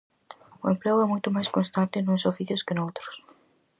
O emprego é moito máis constante nuns oficios que noutros.